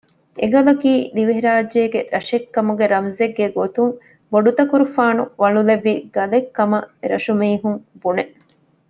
އެގަލަކީ ދިވެހިރާއްޖޭގެ ރަށެއްކަމުގެ ރަމްޒެއްގެ ގޮތުން ބޮޑުތަކުރުފާނު ވަޅުލެއްވި ގަލެއް ކަމަށް އެރަށު މީހުން ބުނެ